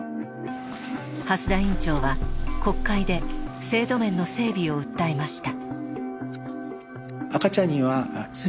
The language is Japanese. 蓮田院長は国会で制度面の整備を訴えました。